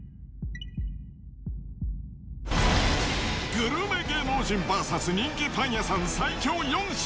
グルメ芸能人ＶＳ人気パン屋さん最強４品。